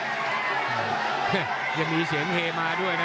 ยังมีเสียงเฮมาด้วยนะ